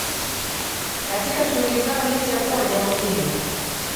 katika shughuli zao licha ya kuwa jambo hili